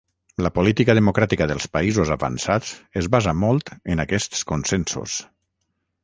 La política democràtica dels països avançats es basa molt en aquests consensos.